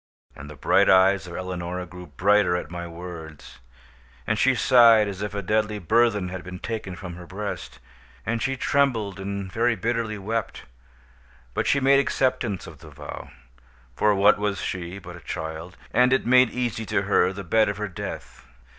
And the bright eyes of Eleonora grew brighter at my words; and she sighed as if a deadly burthen had been taken from her breast; and she trembled and very bitterly wept; but she made acceptance of the vow, (for what was she but a child?) and it made easy to her the bed of her death.